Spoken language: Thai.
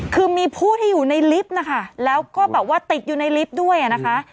คือมีผู้ที่อยู่ในลิฟต์นะคะแล้วก็แบบว่าติดอยู่ในลิฟต์ด้วยอ่ะนะคะ